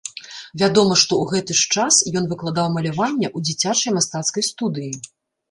Вядома, што ў гэты ж час ён выкладаў маляванне ў дзіцячай мастацкай студыі.